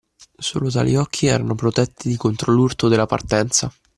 Solo tali occhi erano protetti contro l’urto della partenza